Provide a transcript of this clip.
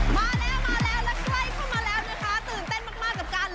มาแล้วแล้วใครเข้ามาแล้วนะคะ